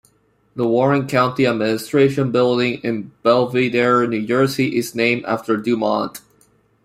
The Warren County Administration Building in Belvidere, New Jersey is named after Dumont.